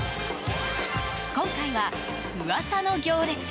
今回は、噂の行列。